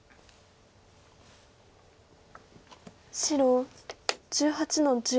白１８の十。